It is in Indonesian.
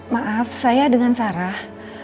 maaf saya dengan sarah